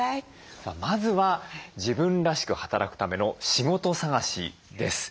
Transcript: まずは自分らしく働くための仕事探しです。